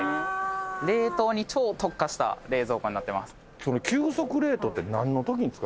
冷凍に超特化した冷蔵庫になってます。